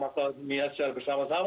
mengatasi masalah dunia secara bersama sama